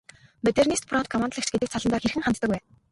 Модернист фронт командлагч гэдэг цолондоо хэрхэн ханддаг вэ?